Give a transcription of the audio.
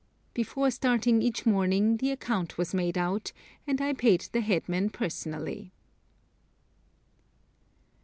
Before starting each morning the account was made out, and I paid the headman personally.